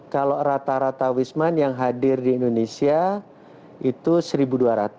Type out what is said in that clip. kalau rata rata wisman yang hadir di indonesia itu rp satu dua ratus